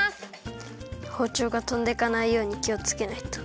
ほうちょうがとんでかないようにきをつけないと。